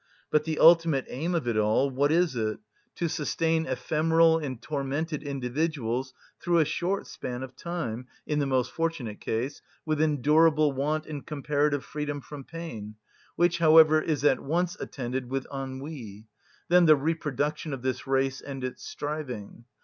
But the ultimate aim of it all, what is it? To sustain ephemeral and tormented individuals through a short span of time in the most fortunate case with endurable want and comparative freedom from pain, which, however, is at once attended with ennui; then the reproduction of this race and its striving.